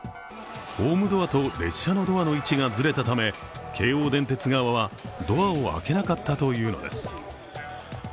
ホームドアと列車のドアの位置がずれたため京王電鉄側はドアを開けなかったというのです。